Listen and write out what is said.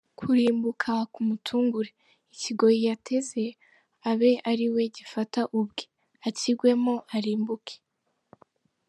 Kurimbuka kumutungure, Ikigoyi yateze abe ari we gifata ubwe, Akigwemo arimbuke.